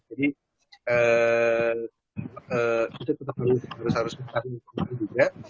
jadi itu tetap harus diperhatikan juga